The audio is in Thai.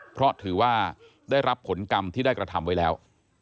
เพราะถือว่าได้รับผลกรรมที่ได้กระทำไว้แล้ว